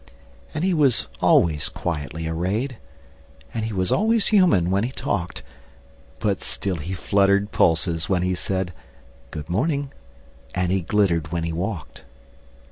And he was always quietly arrayed, And he was always human when he talked; But still he fluttered pulses when he said, "Good morning," and he glittered when he walked.